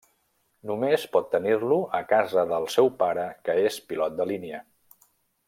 Només pot tenir-lo a casa del seu pare que és pilot de línia.